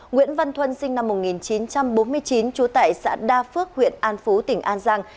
nguyễn văn thuân sinh năm một nghìn chín trăm bốn mươi chín trú tại xã đa phước huyện an phú tỉnh an giang